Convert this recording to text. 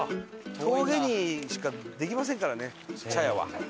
峠にしかできませんからね茶屋は。